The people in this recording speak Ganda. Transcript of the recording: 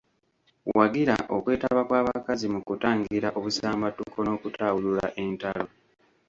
Wagira okwetaba kw’abakazi mu kutangira obusambattuko n’okutawulula entalo.